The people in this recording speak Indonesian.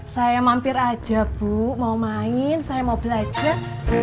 saya mampir aja bu mau main saya mau belajar